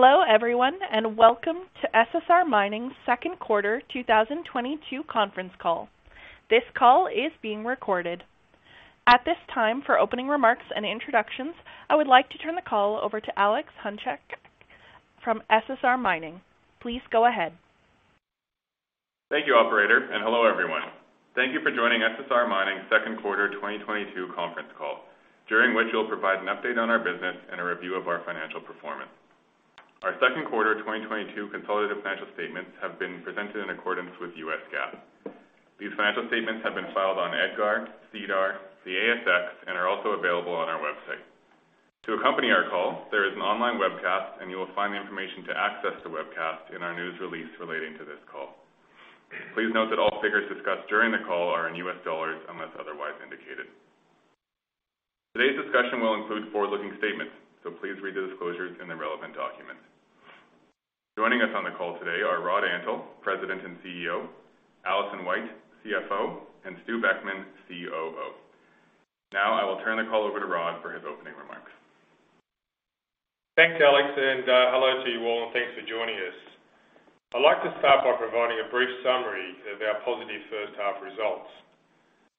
Hello, everyone, and welcome to SSR Mining's Second Quarter 2022 Conference Call. This call is being recorded. At this time, for opening remarks and introductions, I would like to turn the call over to Alex Hunchak from SSR Mining. Please go ahead. Thank you, operator, and hello, everyone. Thank you for joining SSR Mining's Second Quarter 2022 Conference Call, during which we'll provide an update on our business and a review of our financial performance. Our second quarter 2022 consolidated financial statements have been presented in accordance with U.S. GAAP. These financial statements have been filed on EDGAR, SEDAR, the ASX, and are also available on our website. To accompany our call, there is an online webcast, and you will find the information to access the webcast in our news release relating to this call. Please note that all figures discussed during the call are in U.S. dollars, unless otherwise indicated. Today's discussion will include forward-looking statements, so please read the disclosures in the relevant documents. Joining us on the call today are Rod Antal, President and CEO, Alison White, CFO, and Stu Beckman, COO. Now, I will turn the call over to Rod for his opening remarks. Thanks, Alex, and, hello to you all, and thanks for joining us. I'd like to start by providing a brief summary of our positive first half results.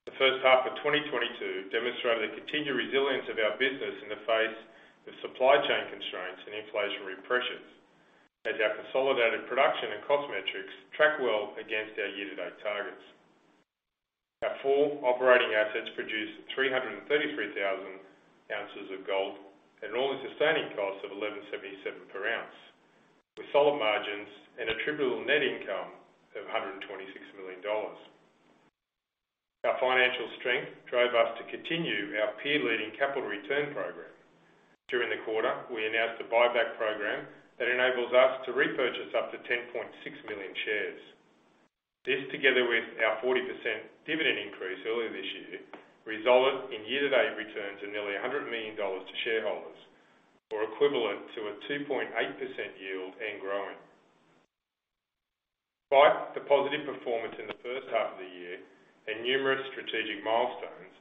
The first half of 2022 demonstrated the continued resilience of our business in the face of supply chain constraints and inflationary pressures as our consolidated production and cost metrics track well against our year-to-date targets. Our four operating assets produced 333,000 oz of gold at an all-in sustaining cost of $1,177 per ounce, with solid margins and attributable net income of $126 million. Our financial strength drove us to continue our peer-leading capital return program. During the quarter, we announced a buyback program that enables us to repurchase up to 10.6 million shares. This, together with our 40% dividend increase earlier this year, resulted in year-to-date returns of nearly $100 million to shareholders or equivalent to a 2.8% yield and growing. Despite the positive performance in the first half of the year and numerous strategic milestones,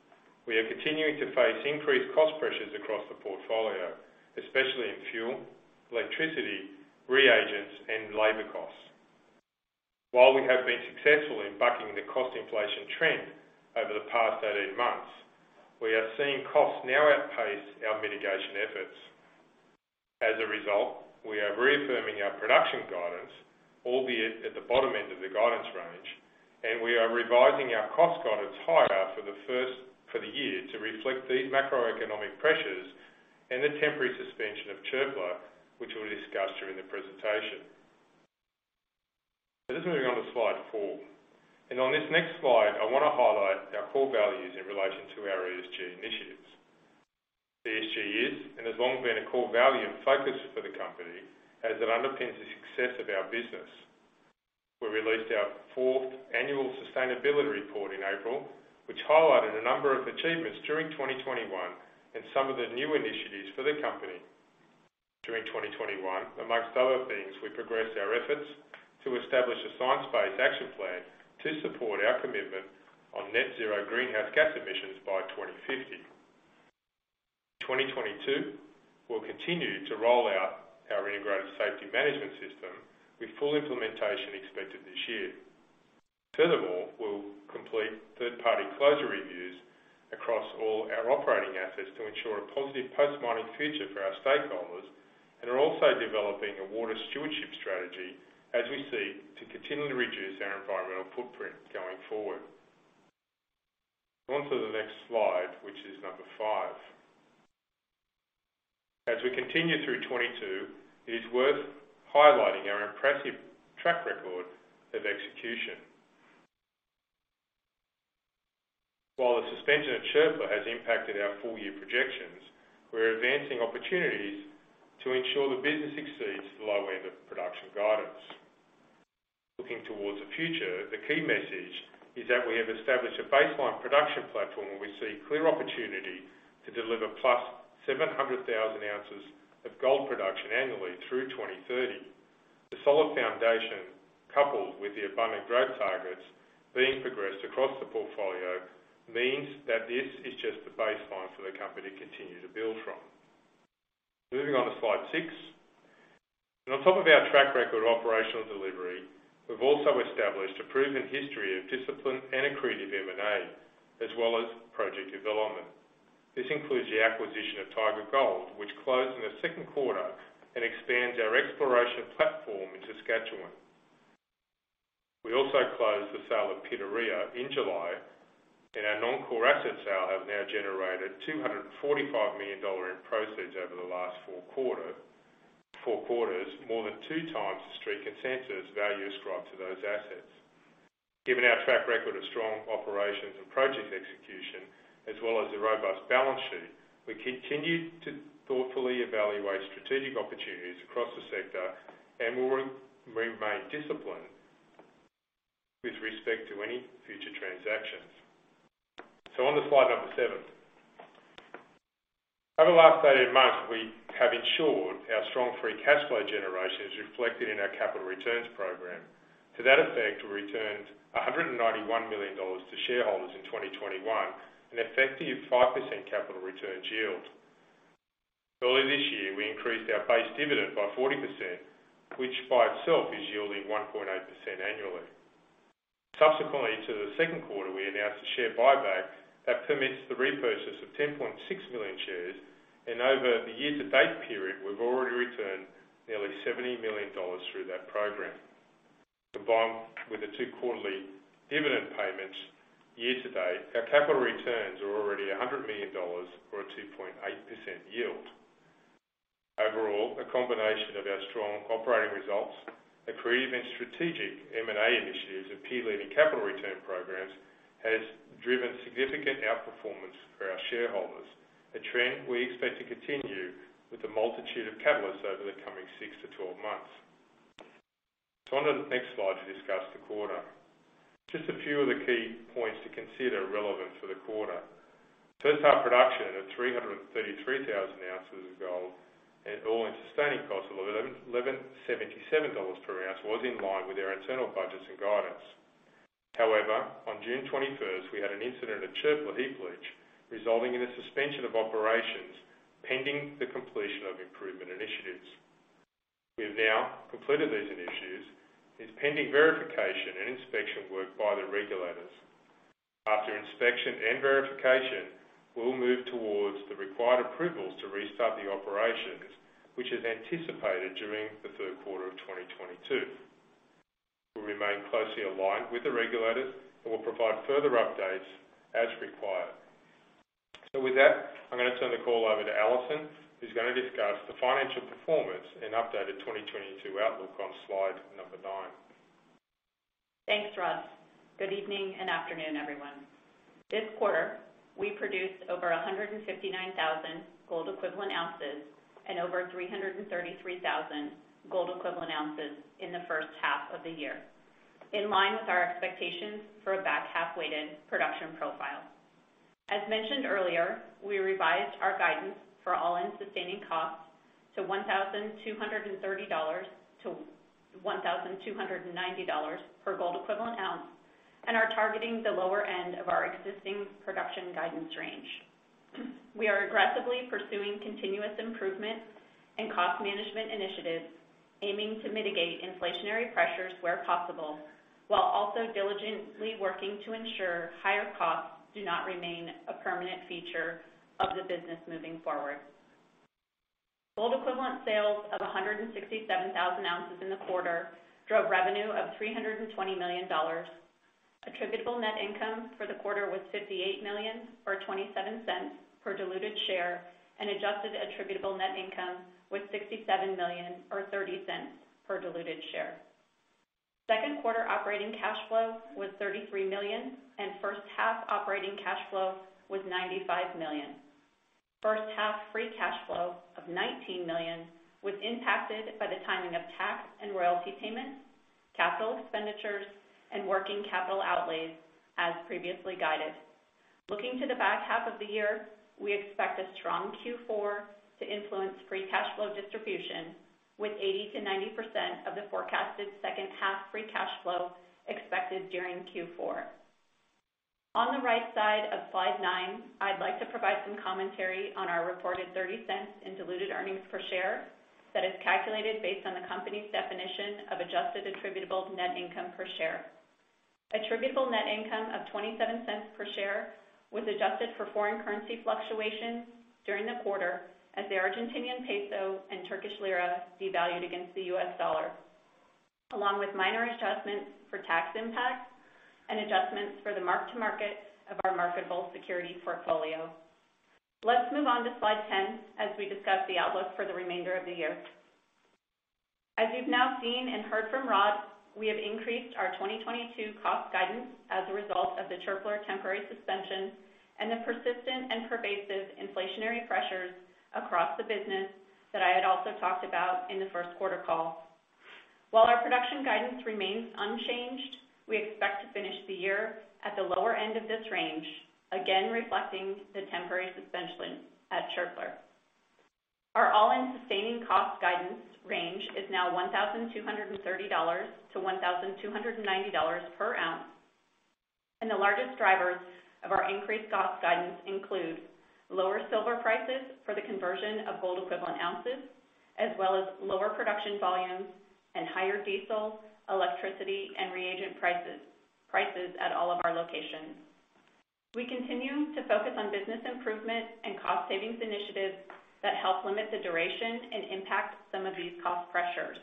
we are continuing to face increased cost pressures across the portfolio, especially in fuel, electricity, reagents, and labor costs. While we have been successful in bucking the cost inflation trend over the past 18 months, we are seeing costs now outpace our mitigation efforts. As a result, we are reaffirming our production guidance, albeit at the bottom end of the guidance range, and we are revising our cost guidance higher for the year to reflect the macroeconomic pressures and the temporary suspension of Çöpler, which we'll discuss during the presentation. Let's move on to slide four. On this next slide, I wanna highlight our core values in relation to our ESG initiatives. ESG is and has long been a core value and focus for the company as it underpins the success of our business. We released our fourth annual sustainability report in April, which highlighted a number of achievements during 2021 and some of the new initiatives for the company. During 2021, amongst other things, we progressed our efforts to establish a science-based action plan to support our commitment on net zero greenhouse gas emissions by 2050. In 2022, we'll continue to roll out our integrated safety management system with full implementation expected this year. Furthermore, we'll complete third-party closure reviews across all our operating assets to ensure a positive post-mining future for our stakeholders, and are also developing a water stewardship strategy as we seek to continually reduce our environmental footprint going forward. On to the next slide, which is number five. As we continue through 2022, it is worth highlighting our impressive track record of execution. While the suspension at Çöpler has impacted our full year projections, we're advancing opportunities to ensure the business exceeds the low end of production guidance. Looking towards the future, the key message is that we have established a baseline production platform where we see clear opportunity to deliver 700,000+ oz of gold production annually through 2030. The solid foundation, coupled with the abundant growth targets being progressed across the portfolio, means that this is just the baseline for the company to continue to build from. Moving on to slide six. On top of our track record of operational delivery, we've also established a proven history of discipline and accretive M&A, as well as project development. This includes the acquisition of Taiga Gold, which closed in the second quarter and expands our exploration platform in Saskatchewan. We also closed the sale of Pitarrilla in July, and our non-core asset sale has now generated $245 million in proceeds over the last four quarters, more than two times the Street consensus value ascribed to those assets. Given our track record of strong operations and project execution, as well as a robust balance sheet, we continue to thoughtfully evaluate strategic opportunities across the sector and will remain disciplined with respect to any future transactions. On to slide number seven. Over the last 18 months, we have ensured our strong free cash flow generation is reflected in our capital returns program. To that effect, we returned $191 million to shareholders in 2021, an effective 5% capital return yield. Early this year, we increased our base dividend by 40%, which by itself is yielding 1.8% annually. Subsequently to the second quarter, we announced a share buyback that permits the repurchase of 10.6 million shares, and over the year-to-date period, we've already returned nearly $70 million through that program. Combined with the two quarterly dividend payments year-to-date, our capital returns are already $100 million or a 2.8% yield. Overall, a combination of our strong operating results, accretive and strategic M&A initiatives, and peer-leading capital return programs has driven significant outperformance for our shareholders, a trend we expect to continue with a multitude of catalysts over the coming six to 12 months. On to the next slide to discuss the quarter. Just a few of the key points to consider relevant for the quarter. First half production of 333,000 oz of gold at all-in sustaining costs of $1,177 per oz was in line with our internal budgets and guidance. However, on June 21st, we had an incident at Çöpler Heap Leach, resulting in a suspension of operations pending the completion of improvement initiatives. We have now completed these initiatives, and it's pending verification and inspection work by the regulators. After inspection and verification, we'll move towards the required approvals to restart the operations, which is anticipated during the third quarter of 2022. We'll remain closely aligned with the regulators, and we'll provide further updates as required. With that, I'm gonna turn the call over to Alison, who's gonna discuss the financial performance and updated 2022 outlook on slide number nine. Thanks, Rod. Good evening and afternoon, everyone. This quarter, we produced over 159,000 gold equivalent ounces and over 333,000 gold equivalent ounces in the first half of the year, in line with our expectations for a back-half weighted production profile. As mentioned earlier, we revised our guidance for all-in sustaining costs to $1,230-$1,290 per gold equivalent ounce and are targeting the lower end of our existing production guidance range. We are aggressively pursuing continuous improvement and cost management initiatives aiming to mitigate inflationary pressures where possible, while also diligently working to ensure higher costs do not remain a permanent feature of the business moving forward. Gold equivalent sales of 167,000 oz in the quarter drove revenue of $320 million. Attributable net income for the quarter was $58 million, or $0.27 per diluted share, and adjusted attributable net income was $67 million or $0.30 per diluted share. Second quarter operating cash flow was $33 million, and first half operating cash flow was $95 million. First half free cash flow of $19 million was impacted by the timing of tax and royalty payments, capital expenditures, and working capital outlays as previously guided. Looking to the back half of the year, we expect a strong Q4 to influence free cash flow distribution with 80%-90% of the forecasted second half free cash flow expected during Q4. On the right side of slide nine, I'd like to provide some commentary on our reported $0.30 in diluted earnings per share that is calculated based on the company's definition of adjusted attributable net income per share. Attributable net income of $0.27 per share was adjusted for foreign currency fluctuations during the quarter as the Argentine peso and Turkish lira devalued against the U.S. dollar, along with minor adjustments for tax impacts and adjustments for the mark-to-market of our marketable security portfolio. Let's move on to slide 10 as we discuss the outlook for the remainder of the year. As you've now seen and heard from Rod, we have increased our 2022 cost guidance as a result of the Çöpler temporary suspension and the persistent and pervasive inflationary pressures across the business that I had also talked about in the first quarter call. While our production guidance remains unchanged, we expect to finish the year at the lower end of this range, again reflecting the temporary suspension at Çöpler. Our all-in sustaining cost guidance range is now $1,230-$1,290 per oz, and the largest drivers of our increased cost guidance include lower silver prices for the conversion of gold equivalent ounces as well as lower production volumes and higher diesel, electricity, and reagent prices at all of our locations. We continue to focus on business improvement and cost savings initiatives that help limit the duration and impact some of these cost pressures.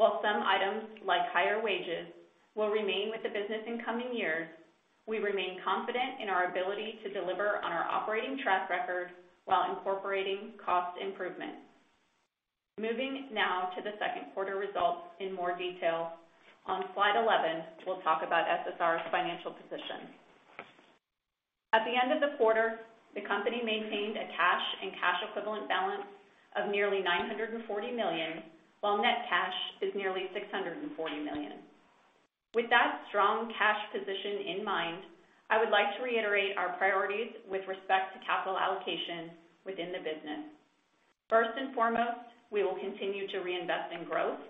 While some items, like higher wages, will remain with the business in coming years, we remain confident in our ability to deliver on our operating track record while incorporating cost improvements. Moving now to the second quarter results in more detail. On slide 11, we'll talk about SSR's financial position. At the end of the quarter, the company maintained a cash and cash equivalent balance of nearly $940 million, while net cash is nearly $640 million. With that strong cash position in mind, I would like to reiterate our priorities with respect to capital allocation within the business. First and foremost, we will continue to reinvest in growth,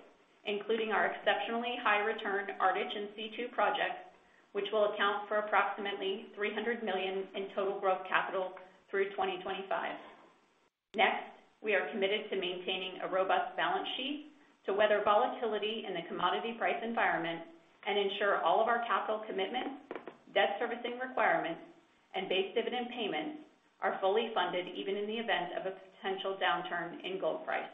including our exceptionally high return Ardich and C2 projects, which will account for approximately $300 million in total growth capital through 2025. Next, we are committed to maintaining a robust balance sheet to weather volatility in the commodity price environment and ensure all of our capital commitments, debt servicing requirements, and base dividend payments are fully funded, even in the event of a potential downturn in gold price.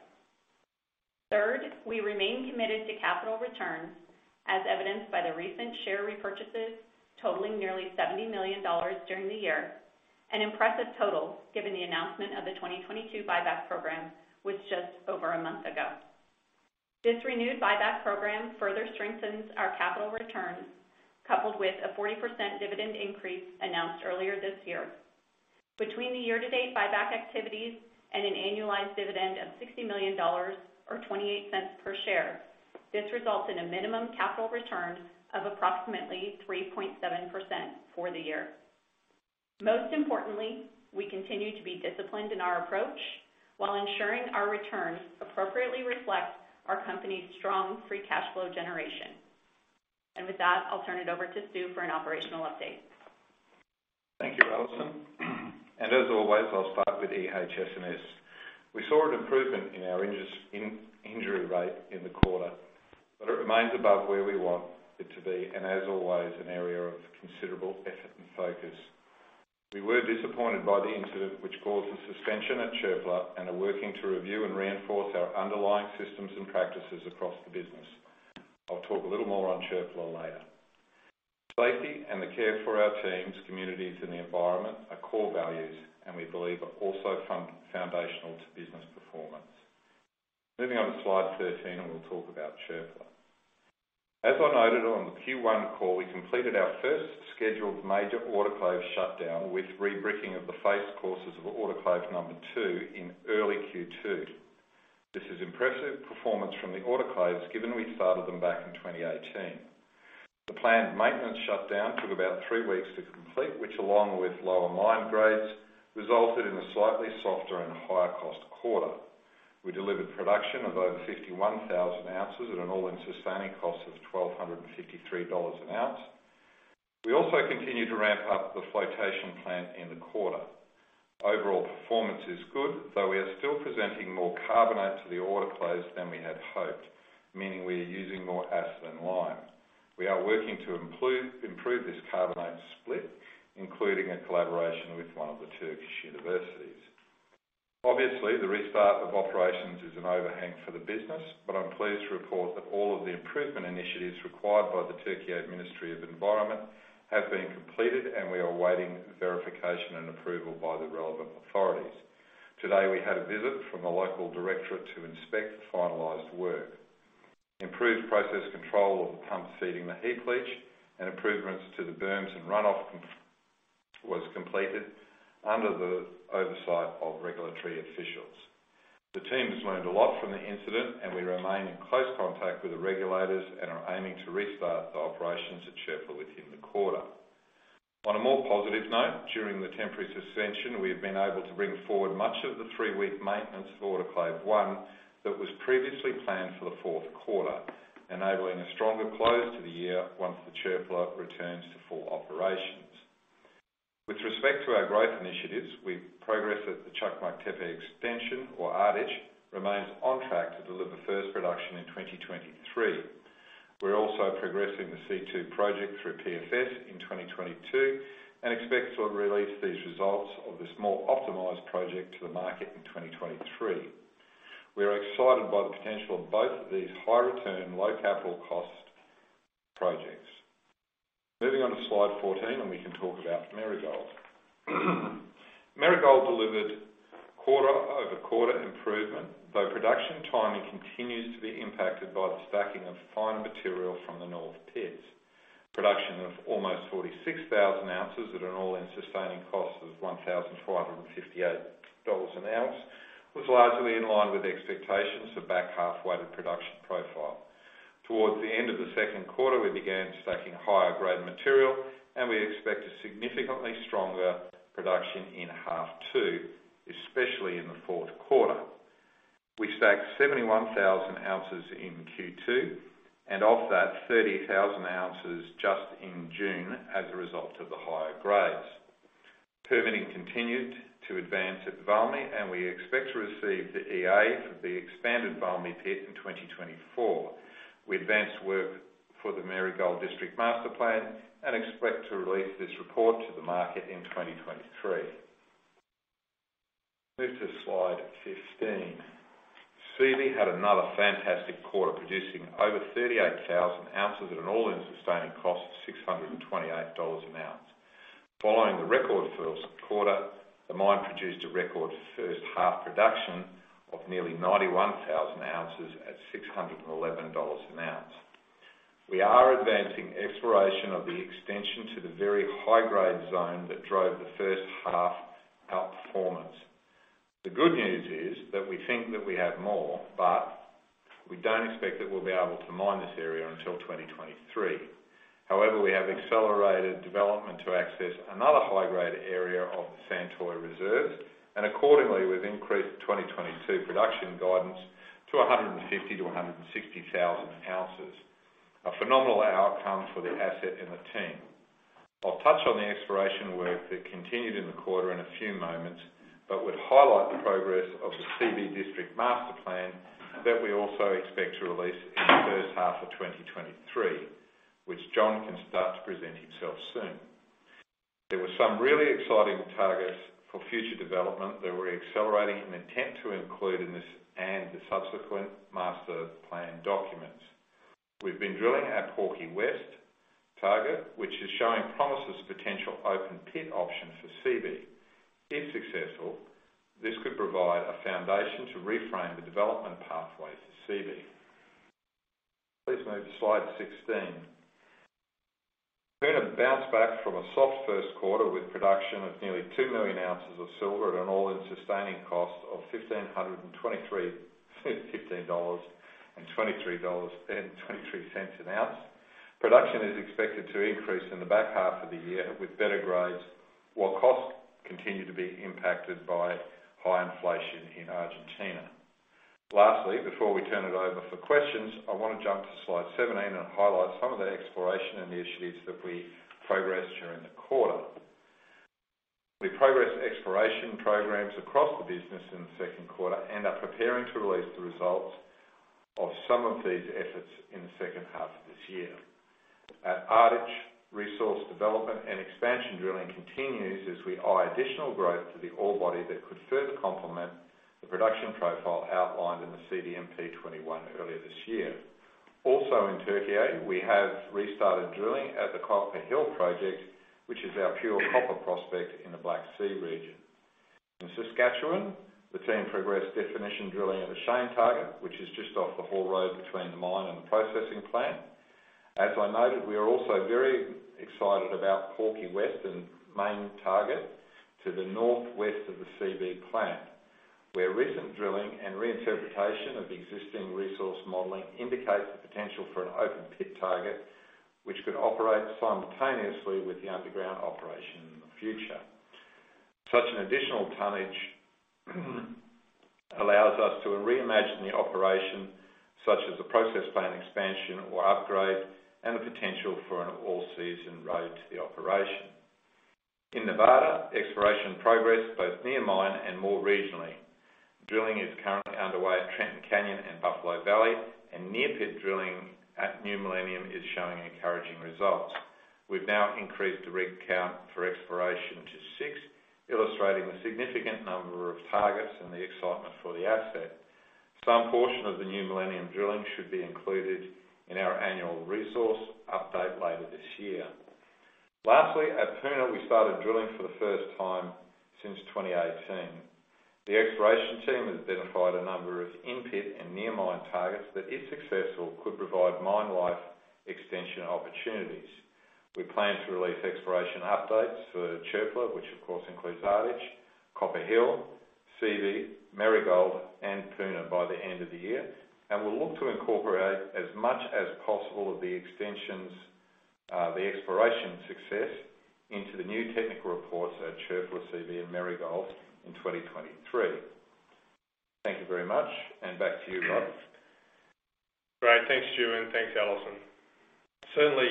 Third, we remain committed to capital returns as evidenced by the recent share repurchases totaling nearly $70 million during the year, an impressive total given the announcement of the 2022 buyback program, which just over a month ago. This renewed buyback program further strengthens our capital returns, coupled with a 40% dividend increase announced earlier this year. Between the year-to-date buyback activities and an annualized dividend of $60 million or $0.28 per share. This results in a minimum capital return of approximately 3.7% for the year. Most importantly, we continue to be disciplined in our approach while ensuring our returns appropriately reflect our company's strong free cash flow generation. With that, I'll turn it over to Stu for an operational update. Thank you, Alison. As always, I'll start with EHS&S. We saw an improvement in our injury rate in the quarter, but it remains above where we want it to be and as always, an area of considerable effort and focus. We were disappointed by the incident which caused the suspension at Çöpler and are working to review and reinforce our underlying systems and practices across the business. I'll talk a little more on Çöpler later. Safety and the care for our teams, communities, and the environment are core values, and we believe are also foundational to business performance. Moving on to slide 13, we'll talk about Çöpler. As I noted on the Q1 call, we completed our first scheduled major autoclave shutdown with rebricking of the face courses of autoclave number two in early Q2. This is impressive performance from the autoclaves given we started them back in 2018. The planned maintenance shutdown took about three weeks to complete, which along with lower mine grades, resulted in a slightly softer and higher cost quarter. We delivered production of over 51,000 oz at an all-in sustaining cost of $1,253 an oz. We also continued to ramp up the flotation plant in the quarter. Overall performance is good, though we are still presenting more carbonate to the autoclaves than we had hoped, meaning we are using more acid and lime. We are working to improve this carbonate split, including a collaboration with one of the Turkish universities. Obviously, the restart of operations is an overhang for the business, but I'm pleased to report that all of the improvement initiatives required by the Turkish Ministry of Environment have been completed, and we are awaiting verification and approval by the relevant authorities. Today, we had a visit from a local directorate to inspect the finalized work. Improved process control of the pump feeding the heap leach and improvements to the berms and runoff containment was completed under the oversight of regulatory officials. The team has learned a lot from the incident, and we remain in close contact with the regulators and are aiming to restart the operations at Çöpler within the quarter. On a more positive note, during the temporary suspension, we have been able to bring forward much of the three-week maintenance of autoclave one that was previously planned for the fourth quarter, enabling a stronger close to the year once the Çöpler returns to full operations. With respect to our growth initiatives, we progress at the Çakmaktepe extension, or Ardich, remains on track to deliver first production in 2023. We're also progressing the C2 project through PFS in 2022 and expect to release these results of the small optimized project to the market in 2023. We are excited by the potential of both of these high return, low capital cost projects. Moving on to slide 14, and we can talk about Marigold. Marigold delivered quarter-over-quarter improvement, though production timing continues to be impacted by the stacking of finer material from the North pits. Production of almost 46,000 oz at an all-in sustaining cost of $1,458 an oz was largely in line with expectations for back half weighted production profile. Towards the end of the second quarter, we began stacking higher grade material, and we expect a significantly stronger production in half two, especially in the fourth quarter. We stacked 71,000 oz in Q2, and of that, 30,000 oz just in June as a result of the higher grades. Permitting continued to advance at Valmy, and we expect to receive the EA for the expanded Valmy pit in 2024. We advanced work for the Marigold District Master Plan and expect to release this report to the market in 2023. Move to slide 15. Seabee had another fantastic quarter, producing over 38,000 oz at an all-in sustaining cost of $628 an oz. Following the record first quarter, the mine produced a record first half production of nearly 91,000 oz at $611 an oz. We are advancing exploration of the extension to the very high-grade zone that drove the first half outperformance. The good news is that we think that we have more, but we don't expect that we'll be able to mine this area until 2023. However, we have accelerated development to access another high-grade area of the Santoy reserves. Accordingly, we've increased 2022 production guidance to 150,000-160,000 oz. A phenomenal outcome for the asset and the team. I'll touch on the exploration work that continued in the quarter in a few moments, but would highlight the progress of the Seabee District Master Plan that we also expect to release in the first half of 2023, which John can start to present himself soon. There were some really exciting targets for future development that we're accelerating and intend to include in this and the subsequent master plan documents. We've been drilling at Porky West target, which is showing promising potential open pit option for Seabee. If successful, this could provide a foundation to reframe the development pathway to Seabee. Please move to slide 16. Puna bounced back from a soft first quarter with production of nearly 2 million oz of silver at an all-in sustaining cost of $1,523.23 an oz. Production is expected to increase in the back half of the year with better grades, while costs continue to be impacted by high inflation in Argentina. Lastly, before we turn it over for questions, I wanna jump to slide 17 and highlight some of the exploration initiatives that we progressed during the quarter. We progressed exploration programs across the business in the second quarter and are preparing to release the results of some of these efforts in the second half of this year. At Ardich, resource development and expansion drilling continues as we eye additional growth to the ore body that could further complement the production profile outlined in the CDMP 2021 earlier this year. Also in Turkey, we have restarted drilling at the Copper Hill project, which is our pure copper prospect in the Black Sea region. In Saskatchewan, the team progressed definition drilling at the Shane target, which is just off the haul road between the mine and the processing plant. As I noted, we are also very excited about Porky West and main target to the northwest of the Seabee plant, where recent drilling and reinterpretation of existing resource modeling indicates the potential for an open pit target, which could operate simultaneously with the underground operation in the future. Such an additional tonnage allows us to reimagine the operation, such as the process plant expansion or upgrade and the potential for an all-season road to the operation. In Nevada, exploration progressed both near mine and more regionally. Drilling is currently underway at Trenton Canyon and Buffalo Valley, and near pit drilling at New Millennium is showing encouraging results. We've now increased the rig count for exploration to six, illustrating the significant number of targets and the excitement for the asset. Some portion of the New Millennium drilling should be included in our annual resource update later this year. Lastly, at Puna, we started drilling for the first time since 2018. The exploration team has identified a number of in-pit and near mine targets that, if successful, could provide mine life extension opportunities. We plan to release exploration updates for Çöpler, which of course includes Ardich, Copper Hill, Seabee, Marigold, and Puna by the end of the year. We'll look to incorporate as much as possible of the extensions, the exploration success into the new technical reports at Çöpler, Seabee, and Marigold in 2023. Thank you very much. Back to you, Rod. Great. Thanks, Stu. Thanks, Alison. Certainly,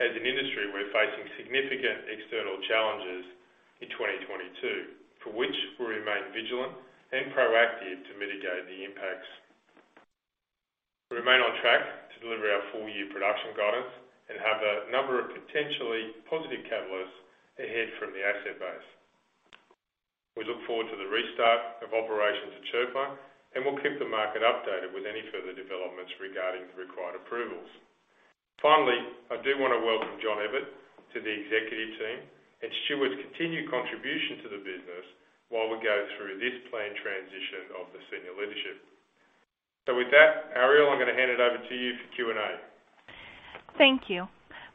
as an industry, we're facing significant external challenges in 2022, for which we remain vigilant and proactive to mitigate the impacts. We remain on track to deliver our full-year production guidance and have a number of potentially positive catalysts ahead from the asset base. We look forward to the restart of operations at Çöpler, and we'll keep the market updated with any further developments regarding the required approvals. Finally, I do wanna welcome John Ebbett to the executive team and Stuart's continued contribution to the business while we go through this planned transition of the senior leadership. With that, Ariel, I'm gonna hand it over to you for Q&A. Thank you.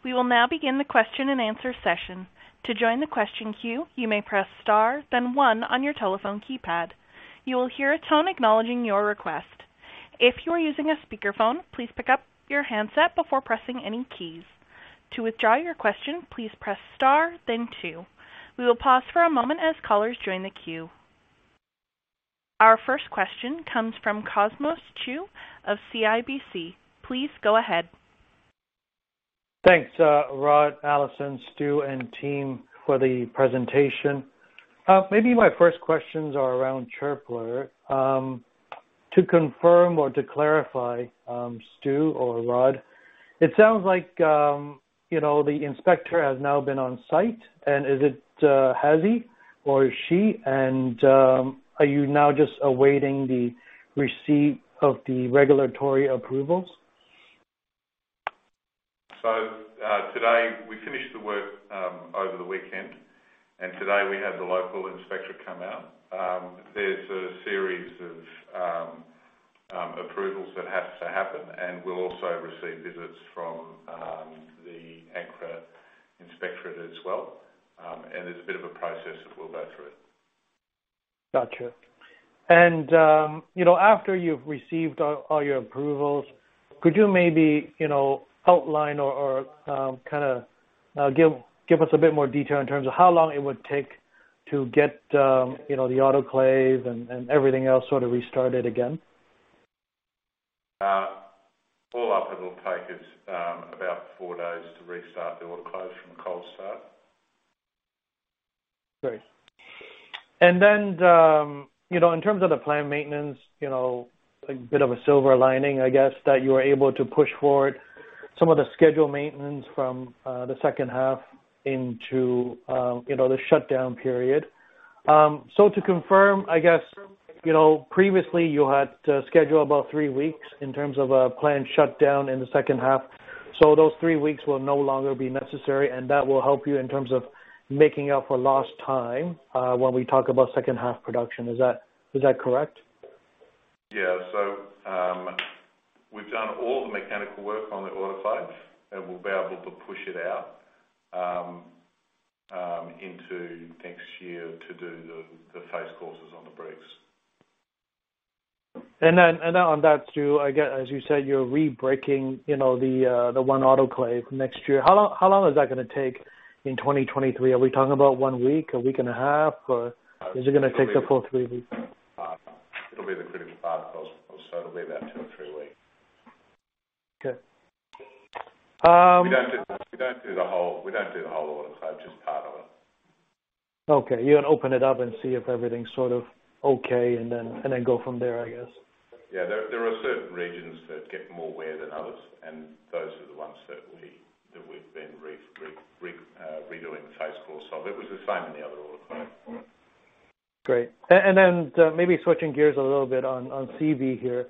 We will now begin the question-and-answer session. To join the question queue, you may press star then one on your telephone keypad. You will hear a tone acknowledging your request. If you are using a speakerphone, please pick up your handset before pressing any keys. To withdraw your question, please press star then two. We will pause for a moment as callers join the queue. Our first question comes from Cosmos Chiu of CIBC. Please go ahead. Thanks, Rod, Alison, Stu, and team for the presentation. Maybe my first questions are around Çöpler. To confirm or to clarify, Stu or Rod, it sounds like, you know, the inspector has now been on site. Has he or she? Are you now just awaiting the receipt of the regulatory approvals? Today, we finished the work over the weekend, and today we had the local inspector come out. There's a series of approvals that has to happen, and we'll also receive visits from the Ankara inspectorate as well. There's a bit of a process that we'll go through. Gotcha. You know, after you've received all your approvals, could you maybe, you know, outline or kinda give us a bit more detail in terms of how long it would take to get, you know, the autoclave and everything else sort of restarted again? All up it'll take us about four days to restart the autoclave from a cold start. Great. In terms of the plant maintenance, you know, a bit of a silver lining, I guess, that you were able to push forward some of the scheduled maintenance from the second half into the shutdown period. To confirm, I guess, you know, previously you had scheduled about three weeks in terms of a planned shutdown in the second half. Those three weeks will no longer be necessary, and that will help you in terms of making up for lost time when we talk about second half production. Is that correct? Yeah. We've done all the mechanical work on the autoclave, and we'll be able to push it out into next year to do the face courses on the brakes. Now on that, Stu, I guess, as you said, you're rebricking, you know, the one autoclave next year. How long is that gonna take in 2023? Are we talking about one week, a week and a half, or is it gonna take the full three weeks? It'll be the critical path, so it'll be about two to three weeks. Okay. We don't do the whole autoclave, just part of it. Okay. You're gonna open it up and see if everything's sort of okay, and then go from there, I guess. There are certain regions that get more wear than others, and those are the ones that we've been redoing the face course of. It was the same in the other autoclave. Great. Then, maybe switching gears a little bit on Çöpler here.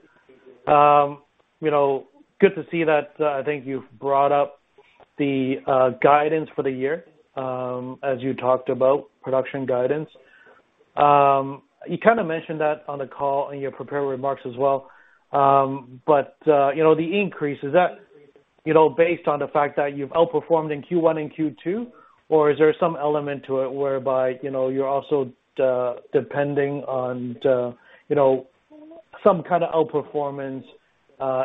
You know, good to see that I think you've brought up the guidance for the year as you talked about production guidance. You know, the increase, is that based on the fact that you've outperformed in Q1 and Q2, or is there some element to it whereby, you know, you're also depending on some kinda outperformance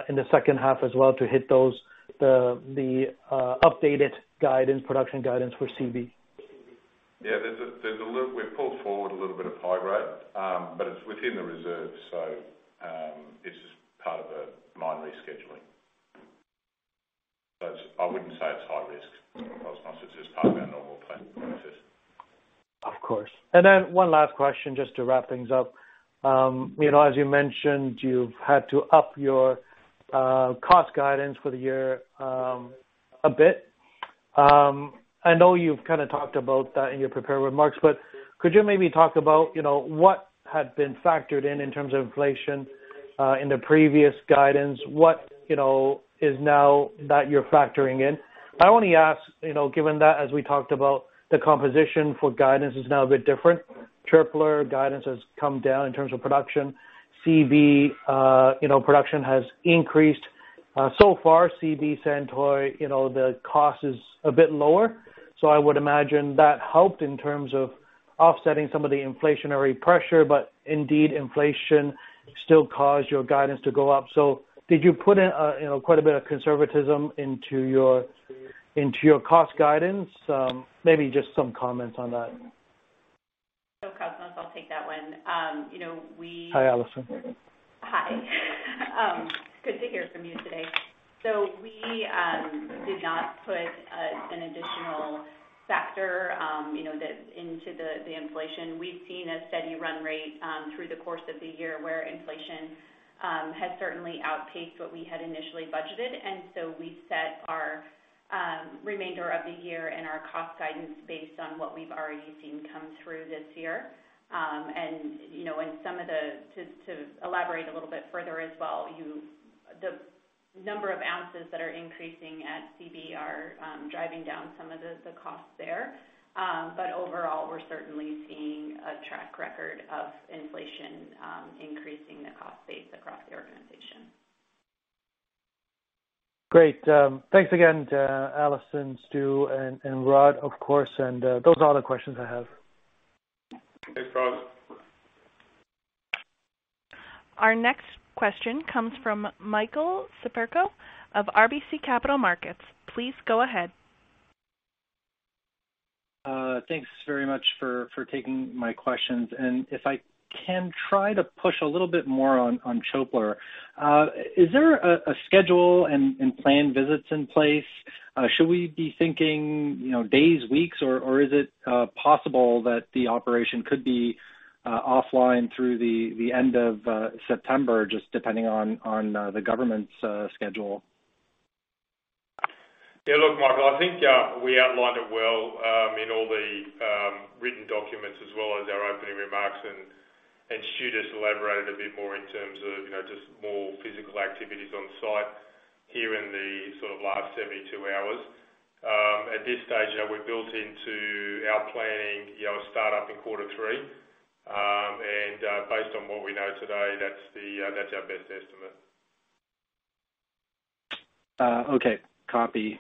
in the second half as well to hit those, the updated guidance, production guidance for Çöpler? We've pulled forward a little bit of high grade, but it's within the reserve. It's just part of a mine rescheduling. I wouldn't say it's high risk, Cosmos. It's just part of our normal planning process. Of course. One last question just to wrap things up. You know, as you mentioned, you've had to up your cost guidance for the year a bit. I know you've kinda talked about that in your prepared remarks, but could you maybe talk about, you know, what had been factored in in terms of inflation in the previous guidance? What, you know, is now that you're factoring in? I only ask, you know, given that as we talked about the composition for guidance is now a bit different. Çöpler guidance has come down in terms of production. Seabee, you know, production has increased. So far, Seabee, Santoy, you know, the cost is a bit lower. I would imagine that helped in terms of offsetting some of the inflationary pressure, but indeed, inflation still caused your guidance to go up. Did you put in, you know, quite a bit of conservatism into your cost guidance? Maybe just some comments on that. Cosmos, I'll take that one. You know, Hi, Alison. Hi. Good to hear from you today. We did not put an additional factor, you know, into the inflation. We've seen a steady run rate through the course of the year where inflation has certainly outpaced what we had initially budgeted. We've set our remainder of the year and our cost guidance based on what we've already seen come through this year. To elaborate a little bit further as well, the number of ounces that are increasing at CV are driving down some of the costs there. Overall, we're certainly seeing a track record of inflation increasing the cost base across the organization. Great. Thanks again to Alison, Stu, and Rod, of course. Those are all the questions I have. Thanks, Cosmos. Our next question comes from Michael Siperco of RBC Capital Markets. Please go ahead. Thanks very much for taking my questions. If I can try to push a little bit more on Çöpler. Is there a schedule and planned visits in place? Should we be thinking, you know, days, weeks, or is it possible that the operation could be offline through the end of September, just depending on the government's schedule? Yeah. Look, Michael, I think we outlined it well in all the written documents as well as our opening remarks. Stu just elaborated a bit more in terms of, you know, just more physical activities on site here in the sort of last 72 hours. At this stage, you know, we've built into our planning, you know, a startup in quarter three. Based on what we know today, that's our best estimate. Okay. Copy.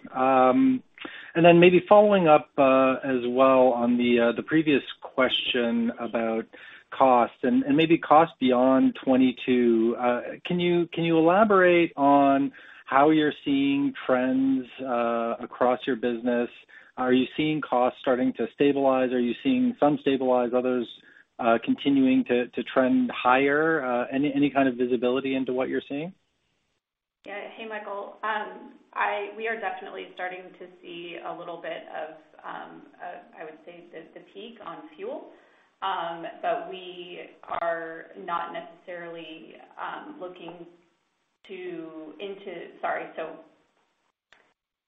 Maybe following up as well on the previous question about costs and maybe cost beyond 2022. Can you elaborate on how you're seeing trends across your business? Are you seeing costs starting to stabilize? Are you seeing some stabilize, others continuing to trend higher? Any kind of visibility into what you're seeing? Yeah. Hey, Michael. We are definitely starting to see a little bit of, I would say, the peak on fuel.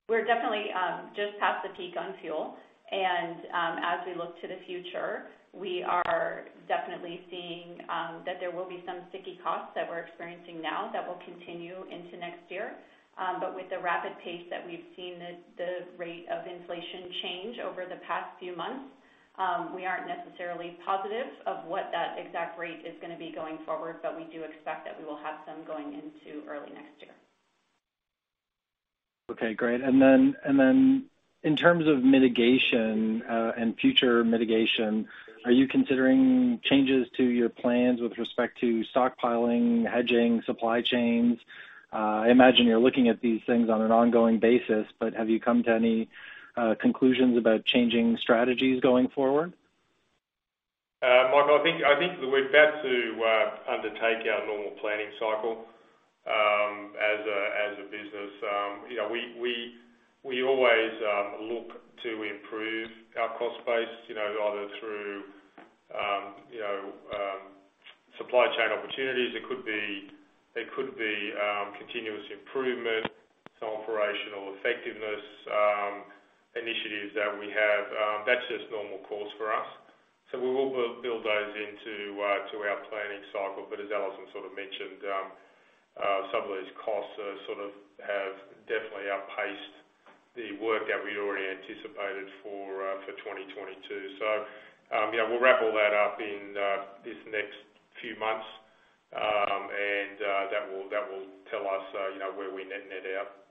We're definitely just past the peak on fuel. As we look to the future, we are definitely seeing that there will be some sticky costs that we're experiencing now that will continue into next year. With the rapid pace that we've seen the rate of inflation change over the past few months, we aren't necessarily positive of what that exact rate is gonna be going forward, but we do expect that we will have some going into early next year. Okay, great. In terms of mitigation, and future mitigation, are you considering changes to your plans with respect to stockpiling, hedging, supply chains? I imagine you're looking at these things on an ongoing basis, but have you come to any conclusions about changing strategies going forward? Michael, I think we're about to undertake our normal planning cycle as a business. You know, we always look to improve our cost base, you know, either through you know supply chain opportunities. It could be continuous improvement, some operational effectiveness initiatives that we have. That's just normal course for us. We will build those into our planning cycle. As Alison sort of mentioned, some of these costs are sort of have definitely outpaced the work that we already anticipated for 2022. Yeah, we'll wrap all that up in this next few months. That will tell us you know where we net out.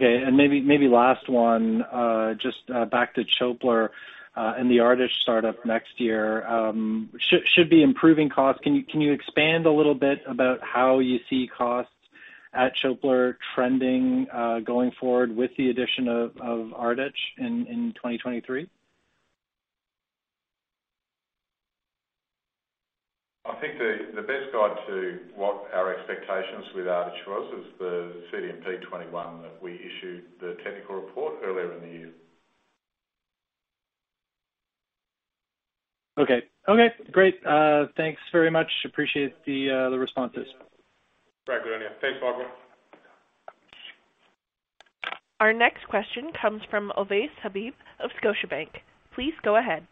Maybe last one, just back to Çöpler, and the Ardich startup next year. Should be improving costs. Can you expand a little bit about how you see costs at Çöpler trending, going forward with the addition of Ardich in 2023? I think the best guide to what our expectations with Ardich was is the CDMP21 that we issued the technical report earlier in the year. Okay. Okay, great. Thanks very much. Appreciate the responses. Great. Good on you. Thanks, Michael. Our next question comes from Ovais Habib of Scotiabank. Please go ahead.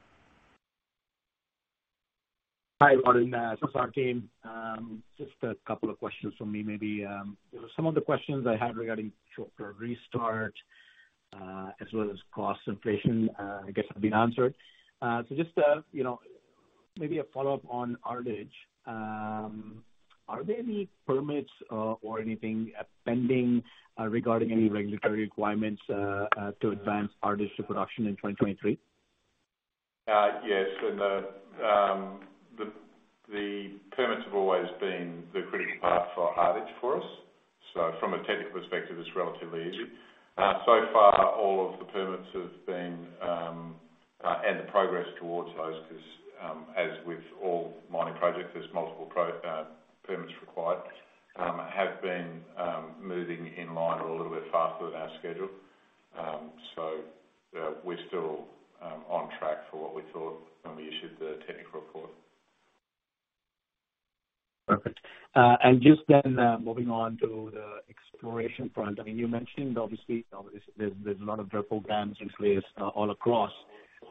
Hi, Warren. Scotiabank team. Just a couple of questions from me, maybe. Some of the questions I had regarding Çöpler restart, as well as cost inflation, I guess have been answered. Just, you know, maybe a follow-up on Ardich. Are there any permits, or anything pending, regarding any regulatory requirements, to advance Ardich to production in 2023? Yes. The permits have always been the critical path for Ardich for us. From a technical perspective, it's relatively easy. So far, all of the permits have been and the progress towards those, 'cause, as with all mining projects, there's multiple permits required, have been moving in line or a little bit faster than our schedule. We're still on track for what we thought when we issued the technical report. Perfect. Just then, moving on to the exploration front. I mean, you mentioned obviously there's a lot of drill programs in place, all across.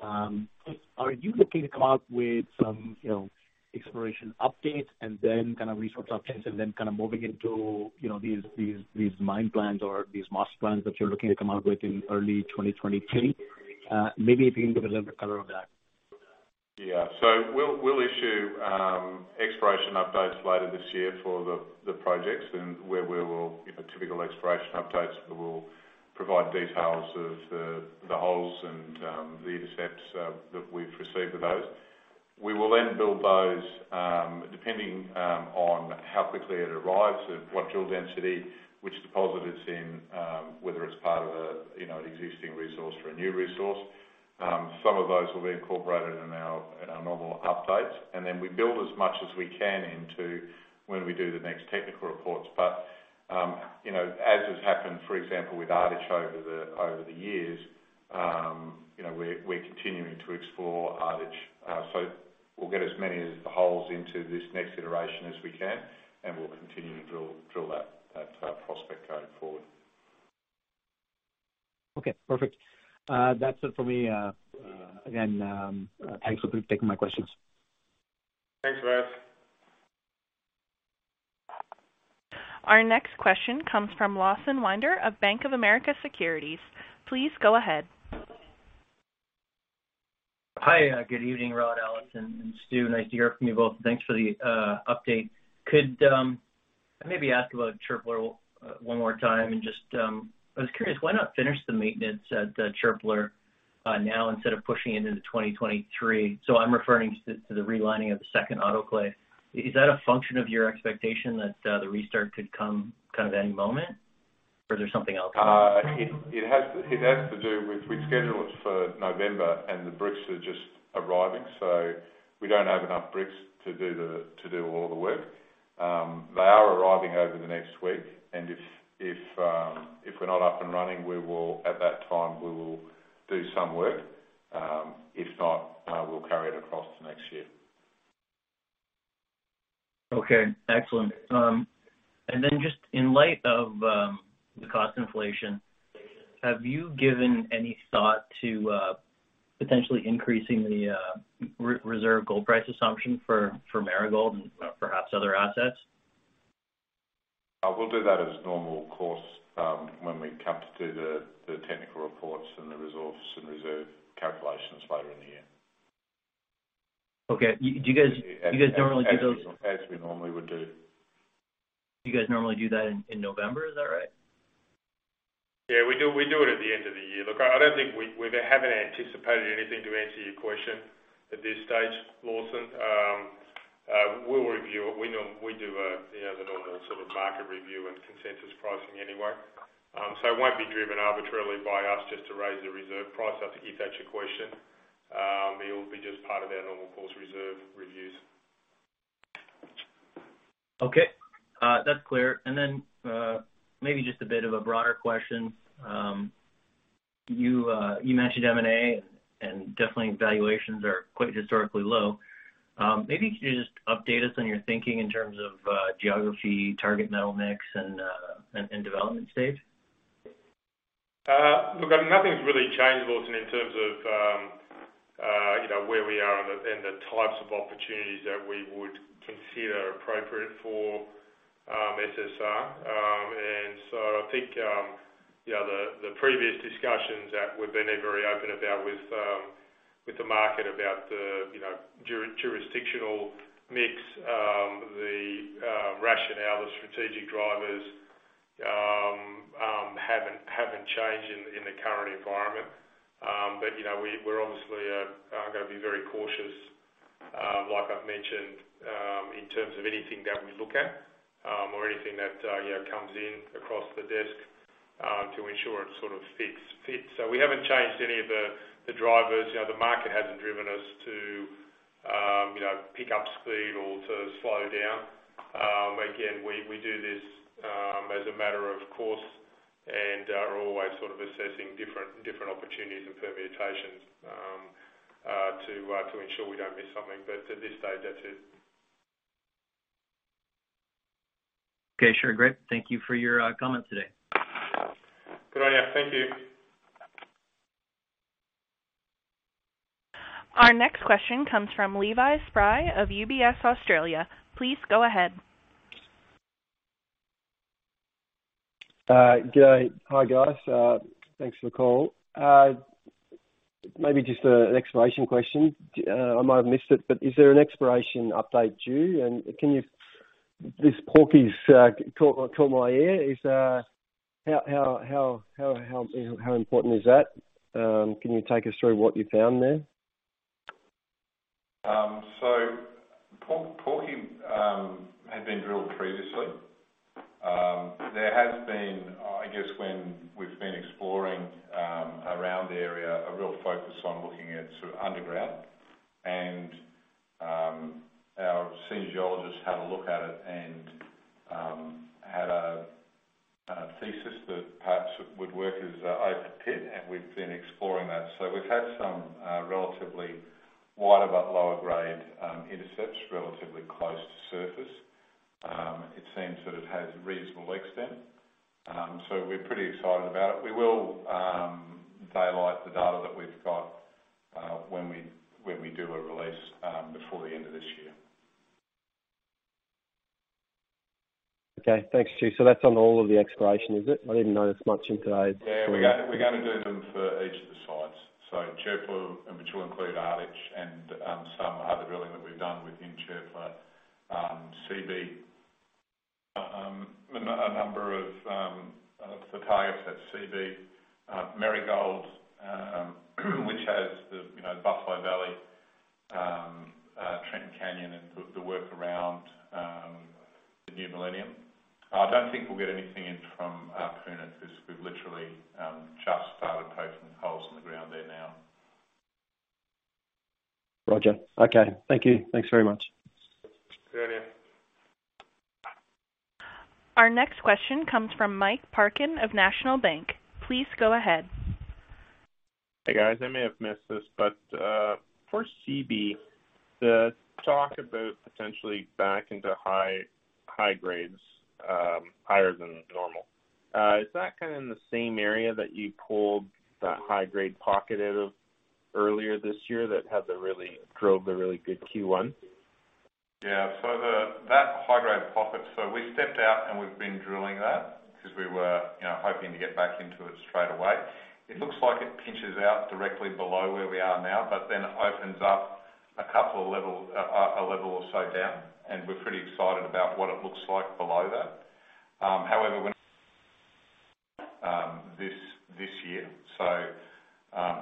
Are you looking to come up with some, you know, exploration updates and then kind of resource updates and then kind of moving into, you know, these master plans that you're looking to come out with in early 2023? Maybe if you can give a little bit color on that. Yeah. We'll issue exploration updates later this year for the projects and where we will, you know, typical exploration updates that will provide details of the holes and the intercepts that we've received with those. We will then build those depending on how quickly it arrives and what drill density, which deposit it's in, whether it's part of a, you know, an existing resource or a new resource. Some of those will be incorporated in our normal updates. We build as much as we can into when we do the next technical reports. You know, as has happened, for example, with Ardich over the years, you know, we're continuing to explore Ardich. We'll get as many as the holes into this next iteration as we can, and we'll continue to drill that prospect going forward. Okay, perfect. That's it for me. Again, thanks for taking my questions. Thanks, Ovais. Our next question comes from Lawson Winder of Bank of America Securities. Please go ahead. Hi, good evening, Rod, Alison, and Stu. Nice to hear from you both. Thanks for the update. Could maybe ask about Çöpler one more time? Just, I was curious, why not finish the maintenance at Çöpler now instead of pushing it into 2023? I'm referring to the relining of the second autoclave. Is that a function of your expectation that the restart could come kind of any moment, or is there something else? It has to do with. We scheduled it for November and the bricks are just arriving, so we don't have enough bricks to do all the work. They are arriving over the next week, and if we're not up and running, we will, at that time, do some work. If not, we'll carry it across to next year. Okay. Excellent. Just in light of the cost inflation, have you given any thought to potentially increasing the reserve gold price assumption for Marigold and perhaps other assets? I will do that in normal course, when we come to do the technical reports and the resource and reserve calculations later in the year. Okay. Do you guys normally do those? As we normally would do. Do you guys normally do that in November? Is that right? Yeah, we do it at the end of the year. Look, we haven't anticipated anything to answer your question at this stage, Lawson. We'll review it. We normally do, you know, the normal sort of market review and consensus pricing anyway. It won't be driven arbitrarily by us just to raise the reserve price, I think if that's your question. It'll be just part of our normal course reserve reviews. Okay. That's clear. Then, maybe just a bit of a broader question. You mentioned M&A, and definitely valuations are quite historically low. Maybe can you just update us on your thinking in terms of geography, target metal mix, and development stage? Look, I mean, nothing's really changed, Lawson, in terms of, you know, where we are and the types of opportunities that we would consider appropriate for SSR. I think, you know, the previous discussions that we've been very open about with the market about the, you know, jurisdictional mix, the rationale, the strategic drivers haven't changed in the current environment. You know, we're obviously gonna be very cautious, like I've mentioned, in terms of anything that we look at or anything that, you know, comes in across the desk to ensure it sort of fits. We haven't changed any of the drivers. You know, the market hasn't driven us to, you know, pick up speed or to slow down. Again, we do this as a matter of course, and are always sort of assessing different opportunities and permutations to ensure we don't miss something. At this stage, that's it. Okay. Sure. Great. Thank you for your comment today. Great. Thank you. Our next question comes from Levi Spry of UBS Australia. Please go ahead. G'day. Hi, guys. Thanks for the call. Maybe just an exploration question. I might have missed it, but is there an exploration update due? This Porky West caught my ear. How important is that? Can you take us through what you found there? So Porky had been drilled previously. There has been, I guess, when we've been exploring around the area, a real focus on looking at sort of underground. Our senior geologists had a look at it and had a thesis that perhaps it would work as an open pit, and we've been exploring that. We've had some relatively wider but lower grade intercepts, relatively close to surface. It seems that it has reasonable extent. We're pretty excited about it. We will daylight the data that we've got when we do a release before the end of this year. Okay. Thanks, Stu. That's on all of the exploration, is it? I didn't notice much in today's. Yeah. We're gonna do them for each of the sites. Çöpler, which will include Ardich and some other drilling that we've done within Çöpler. Seabee, a number of the targets at Seabee. Marigold, which has the, you know, Buffalo Valley, Trenton Canyon and the work around the New Millennium. I don't think we'll get anything in from Puna, because we've literally just started poking holes in the ground there now. Roger. Okay. Thank you. Thanks very much. See you. Our next question comes from Mike Parkin of National Bank. Please go ahead. Hey, guys. I may have missed this, but for Seabee, the talk about potentially back into high grades, higher than normal, is that kinda in the same area that you pulled that high grade pocket out of earlier this year that had the really, drove the really good Q1? That high grade pocket. We stepped out and we've been drilling that because we were, you know, hoping to get back into it straight away. It looks like it pinches out directly below where we are now, but then opens up a couple of level, a level or so down, and we're pretty excited about what it looks like below that. However, this year.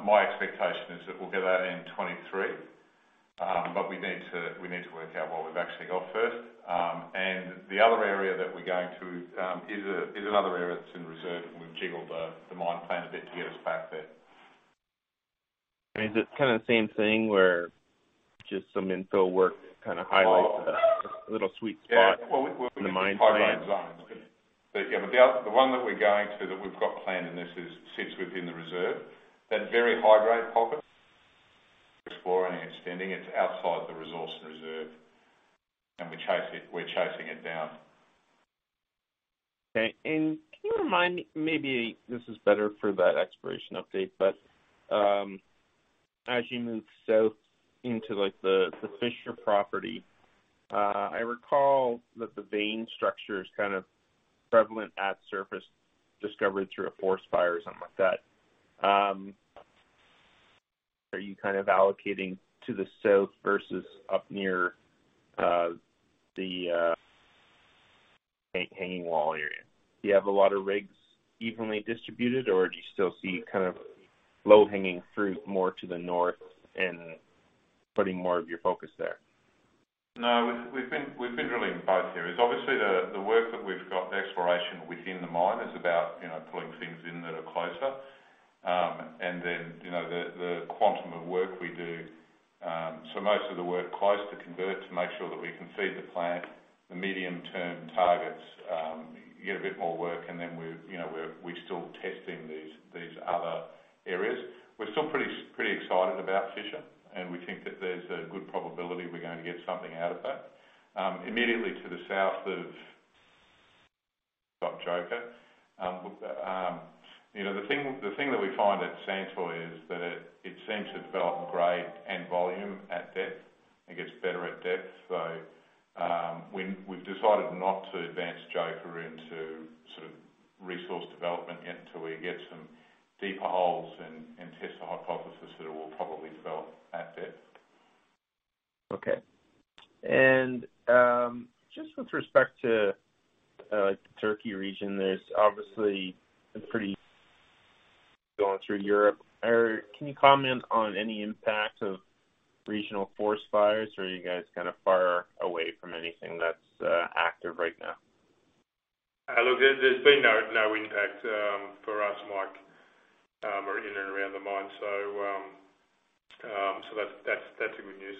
My expectation is that we'll get that in 2023. But we need to work out what we've actually got first. The other area that we're going to is another area that's in reserve, and we've jiggled the mine plan a bit to get us back there. Is it kinda the same thing where just some infill work kinda highlights? Oh. a little sweet spot Yeah. Well, in the mine plan. High grade zones. Yeah, but the one that we're going to that we've got planned in this is, sits within the reserve. That very high grade pocket exploring and extending. It's outside the resource reserve. We chase it, we're chasing it down. Okay. Can you remind me, maybe this is better for that exploration update, but as you move south into, like, the Fisher property, I recall that the vein structure is kind of prevalent at surface discovery through a forest fire or something like that. Are you kind of allocating to the south versus up near the hanging wall area? Do you have a lot of rigs evenly distributed or do you still see kind of low hanging fruit more to the north and putting more of your focus there? No. We've been drilling both areas. Obviously, the work that we've got. Exploration within the mine is about, you know, pulling things in that are closer. You know, the quantum of work we do, so most of the work close to convert to make sure that we can feed the plant. The medium-term targets get a bit more work and then we're, you know, still testing these other areas. We're still pretty excited about Fisher, and we think that there's a good probability we're gonna get something out of that. Immediately to the south, got Joker. With, you know, the thing that we find at Santoy is that it seems to develop grade and volume at depth. It gets better at depth. We've decided not to advance Joker into sort of resource development until we get some deeper holes and test the hypothesis that it will probably develop at depth. Okay. Just with respect to, like, the Turkey region, there's obviously a pretty going through Europe. Can you comment on any impact of regional forest fires or are you guys kinda far away from anything that's active right now? Look, there's been no impact for us, Mike, or in or around the mine. That's the good news.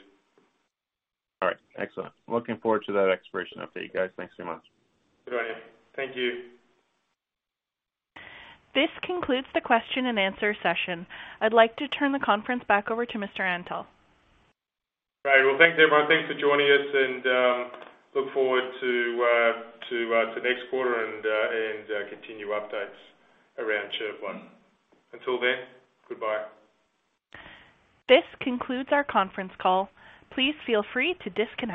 All right. Excellent. Looking forward to that exploration update, guys. Thanks so much. Good day. Thank you. This concludes the question-and-answer session. I'd like to turn the conference back over to Mr. Antal. Right. Well, thanks, everyone. Thanks for joining us and look forward to next quarter and continued updates around Çöpler One. Until then, goodbye. This concludes our conference call. Please feel free to disconnect.